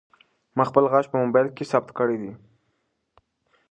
ما خپل غږ په موبایل کې ثبت کړی دی.